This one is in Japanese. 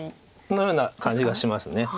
のような感じがします。